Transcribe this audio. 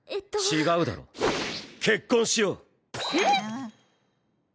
違うだろ結婚しようえっ！？